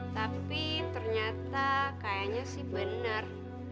tapi ternyata kayaknya sih benar